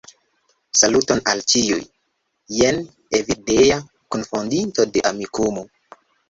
Saluton al ĉiuj! Jen Evildea, kunfondinto de Amikumu!